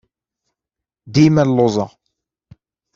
Dima lluẓeɣ.